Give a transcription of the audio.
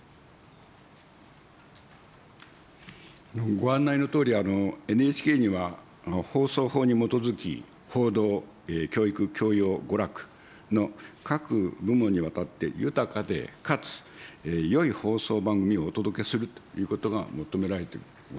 ご案内のとおり、ＮＨＫには放送法に基づき、報道、教育、教養、娯楽の各部門にわたって、豊かで、かつ、よい放送番組をお届けするということが求められてございます。